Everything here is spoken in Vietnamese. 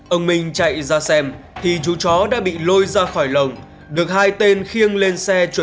ông mình chạy ra xem thì chú chó đã bị lôi ra khỏi lồng được hai tên khiêng lên xe chuẩn bị tàu thoát